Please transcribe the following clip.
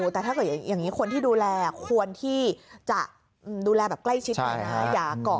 แต่ถ้าเกิดอย่างนี้คนที่ดูแลควรที่จะดูแลแบบใกล้ชิดดีนะ